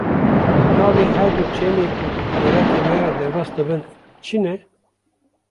Navên her du çemê ku di welatê me re derbas dibin çi ne?